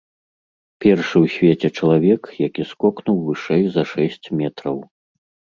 Першы ў свеце чалавек, які скокнуў вышэй за шэсць метраў.